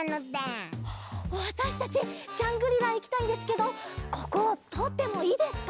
わたしたちジャングリラいきたいんですけどこことおってもいいですか？